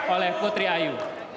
oleh putri ayu